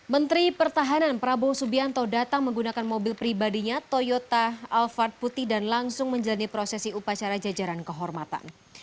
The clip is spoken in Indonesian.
menteri pertahanan prabowo subianto datang menggunakan mobil pribadinya toyota alphard putih dan langsung menjalani prosesi upacara jajaran kehormatan